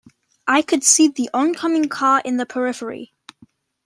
I could see the oncoming car in the periphery.